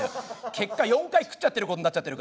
結果４回食っちゃってることになっちゃってるからね。